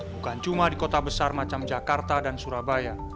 bukan cuma di kota besar macam jakarta dan surabaya